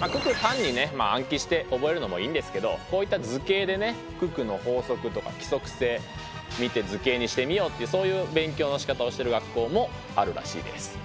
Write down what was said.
九九単にね暗記して覚えるのもいいんですけどこういった図形でね九九の法則とか規則性見て図形にしてみようっていうそういう勉強のしかたをしてる学校もあるらしいです。